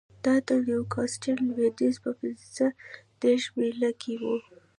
دا د نیوکاسټل لوېدیځ په پنځه دېرش میله کې و